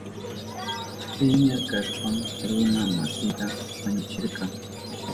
Piña kashpan runa masinta wañuchirka.